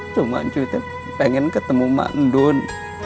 cuma cuy pengen ketemu mbak ndun